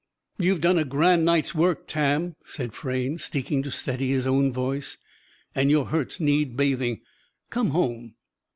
"You've done a grand night's work, Tam," said Frayne, seeking to steady his own voice. "And your hurts need bathing. Come home."